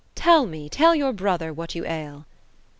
Tell me, tell your bro ther, what you ail."